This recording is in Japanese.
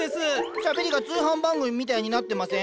しゃべりが通販番組みたいになってません？